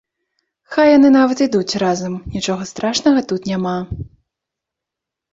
Хай яны нават ідуць разам, нічога страшнага тут няма.